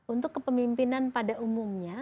untuk kepemimpinan pada umumnya